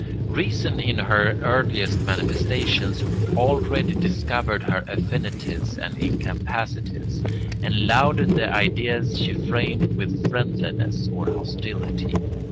Reason in her earliest manifestations already discovered her affinities and incapacities, and loaded the ideas she framed with friendliness or hostility.